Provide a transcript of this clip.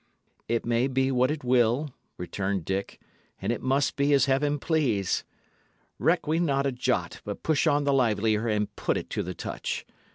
"It may be what it will," returned Dick; "and it must be as heaven please. Reck we not a jot, but push on the livelier, and put it to the touch.